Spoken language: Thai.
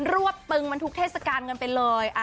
รวบตึงมันทุกเทศกาลกันไปเลย